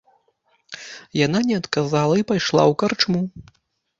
Яна не адказала і пайшла ў карчму.